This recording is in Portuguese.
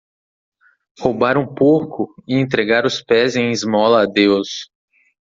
Roubar um porco e entregar os pés em esmola a Deus.